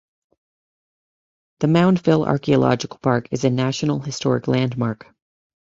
The Moundville Archaeological Park is a National Historic Landmark.